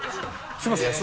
すいません。